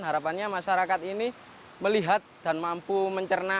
harapannya masyarakat ini melihat dan mampu mencerna